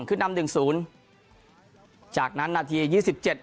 ขึ้นนำหนึ่งศูนย์จากนั้นนาทียี่สิบเจ็ด